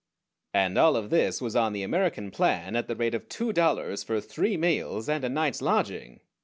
"] And all of this was on the American plan, at the rate of two dollars for three meals and a night's lodging!